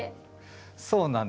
そうなんです。